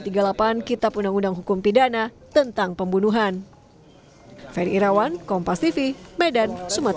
pasal tiga ratus tiga puluh delapan kitab undang undang hukum pidana tentang pembunuhan